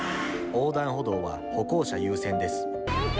横断歩道は歩行者優先です。